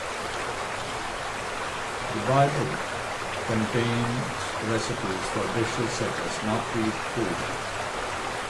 The "Bible" contains recipes for dishes such as knotweed fool.